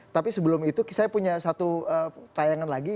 tapi sebelum itu saya punya satu tayangan lagi